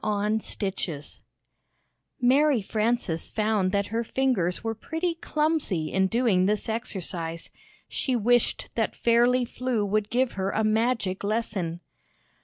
See Page 148 ARY FRANCES found that her fingers were pretty clumsy in doing this exercise. She wished that Fairly Flew would give her a magic lesson.